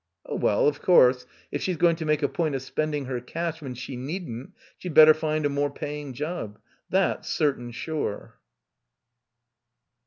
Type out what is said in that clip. "Oh well, of course, if she's going to make a point of spending her cash when she needn't she'd better find a more paying job. That's certain sure."